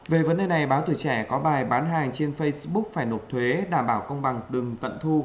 về vấn đề này báo tuổi trẻ có bài bán hàng trên facebook phải nộp thuế đảm bảo công bằng từng tận thu